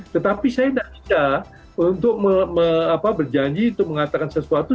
tetapi saya tidak bisa untuk berjanji untuk mengatakan sesuatu